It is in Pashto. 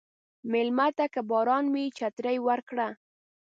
مېلمه ته که باران وي، چترې ورکړه.